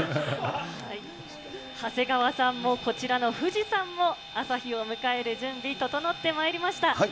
長谷川さんもこちらの富士山も、朝日を迎える準備、整ってまいりました。